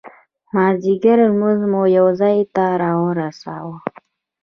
مازدیګر لمونځ مو یو ځای ته را ورساوه.